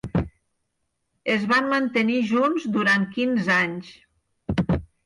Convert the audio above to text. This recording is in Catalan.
Es van mantenir junts durant quinze anys.